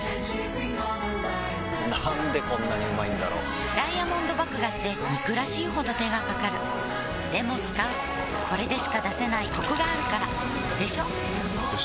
なんでこんなにうまいんだろうダイヤモンド麦芽って憎らしいほど手がかかるでも使うこれでしか出せないコクがあるからでしょよ